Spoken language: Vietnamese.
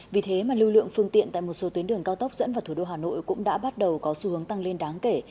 vì thế mà lưu lượng phương tiện tại một số tuyến đường cao tốc dẫn vào thủ đô hà nội cũng đã bắt đầu có xu hướng tăng lên đáng kể